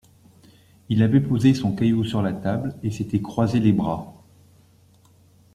Il avait posé son caillou sur la table et s’était croisé les bras.